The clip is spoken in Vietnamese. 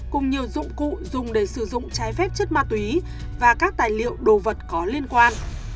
cùng nhiều dụng cụ dùng để sử dụng trái phép chất ma túy và các tài liệu đồ vật có liên quan